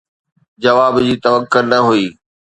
جواب جي توقع نه هئي.